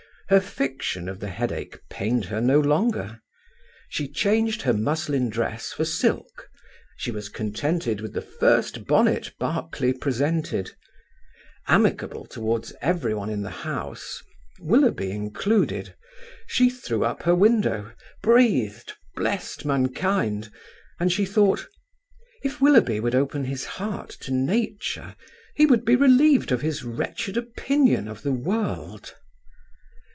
Her fiction of the headache pained her no longer. She changed her muslin dress for silk; she was contented with the first bonnet Barclay presented. Amicable toward every one in the house, Willoughby included, she threw up her window, breathed, blessed mankind; and she thought: "If Willoughby would open his heart to nature, he would be relieved of his wretched opinion of the world."